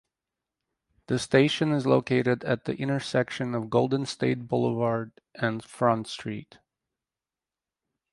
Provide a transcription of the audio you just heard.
The station is located at the intersection of Golden State Boulevard and Front Street.